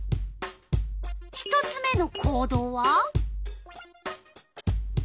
１つ目の行動は？